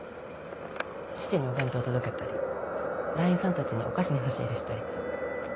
父にお弁当届けたり団員さんたちにお菓子の差し入れしたり。